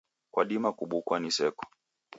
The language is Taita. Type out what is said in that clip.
Kwadima kubukwa ni seko.